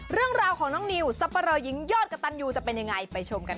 เรื่องราวของน้องนิวสรรพเรยิ้งยอดกะตันโยวจะเป็นอย่างไรไปชมกัน